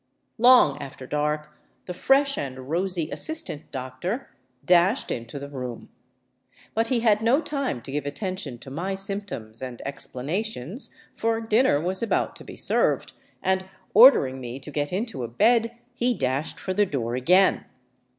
Long after dark the fresh and rosy assistant doctor dashed into the room. But he had no time to give attention to my symptoms and ex 316 THE ROOF OF PERU planations, for dinner was about to be served, and ordering me to get into a bed, he dashed for the door again.